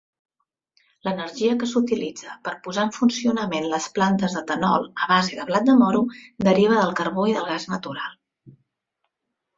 L'energia que s'utilitza per posar en funcionament les plantes d'etanol a base de blat de moro deriva del carbó i del gas natural.